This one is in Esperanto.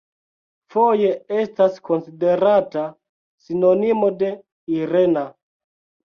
Foje estas konsiderata sinonimo de "Irena".